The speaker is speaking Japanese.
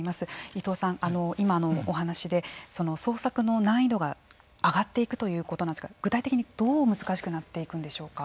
伊藤さん、今のお話で捜索の難易度が上がっていくということなんですが具体的には、どう難しくなっていくんでしょうか。